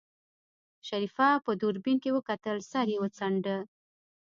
شريف په دوربين کې وکتل سر يې وڅنډه.